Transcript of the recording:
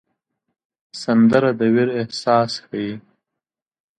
سندره د ویر احساس ښيي